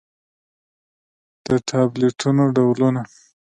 د ټابليټنو ډولونه: